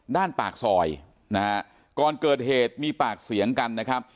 ปากซอยนะฮะก่อนเกิดเหตุมีปากเสียงกันนะครับ